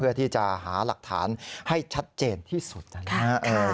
เพื่อที่จะหาหลักฐานให้ชัดเจนที่สุดนะครับ